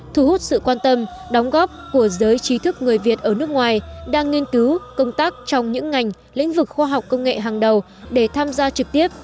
thu hút sự quan tâm đóng góp của giới trí thức người việt ở nước ngoài đang nghiên cứu công tác trong những ngành lĩnh vực khoa học công nghệ hàng đầu để tham gia trực tiếp